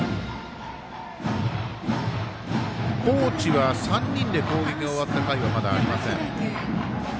高知は３人で攻撃が終わった回はまだありません。